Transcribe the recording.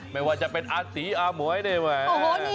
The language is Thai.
ไม่ว่าจะเป็นอาตีอาหมวยนี่แหม